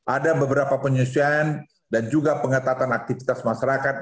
ada beberapa penyusian dan juga pengatatan aktivitas masyarakat